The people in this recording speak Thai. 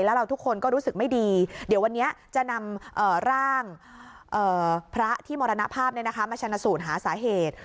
แล้วเราทุกคนก็รู้สึกไม่ดีเดี๋ยววันนี้จะนำร่างพระที่มรณภาพมาชนะสูตรหาสาเหตุ